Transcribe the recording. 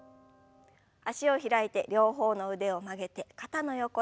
脚を開いて両方の腕を曲げて肩の横へ。